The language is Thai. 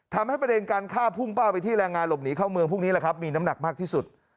ทำให้ประเด็นการฆ่าพุ่งเป้าไปที่แรงงานหลบหนีเข้าเมืองพวกนี้แหละครับมีน้ำหนักมากที่สุด